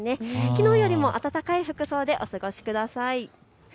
きのうよりも暖かい服装でお過ごしください。